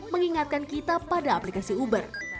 mengingatkan kita pada aplikasi uber